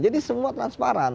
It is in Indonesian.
jadi semua transparan